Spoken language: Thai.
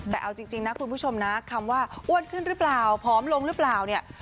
แต่เอาจริงนะคุณผู้ชมนะคำว่าอ้วนขึ้นหรือเปล่าผอมลงหรือเปล่าเนี่ย